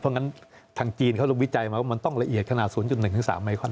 เพราะงั้นทางจีนเขาวิจัยมาว่ามันต้องละเอียดขนาด๐๑๓ไมคอน